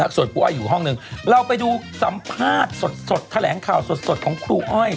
ส่วนครูอ้อยอยู่ห้องหนึ่งเราไปดูสัมภาษณ์สดแถลงข่าวสดของครูอ้อย